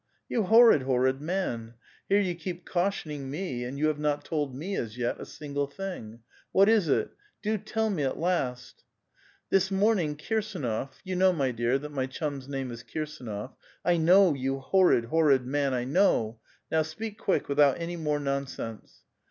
'^ You horrid, horrid man ! here you keep cautioning me, and you have not told me, as yet, a single thing. What is it? 'Do tell me at last!" "This morning Kirsdnof — you know, my dear, that my chum's name is Kirsdnof —"" I know, you horrid, horrid man, I know! Now, speak quick, without any more nonsense."